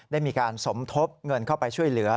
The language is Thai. ได้มีการสมทบเงินเข้าไปช่วยเหลือ